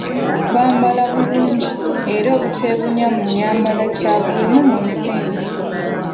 Bambala bulungi era obuteebunya mu nnyambala kya buwemu mu nsi eno.